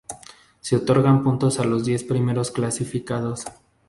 Se otorgan puntos a los diez primeros clasificados.